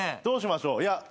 どうしましょう？いや。